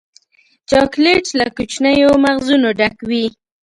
چاکلېټ له کوچنیو مغزونو ډک وي.